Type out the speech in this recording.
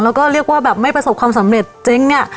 แล้วก็เรียกว่าแบบไม่ประสบความสำเร็จเจ๊งเนี่ย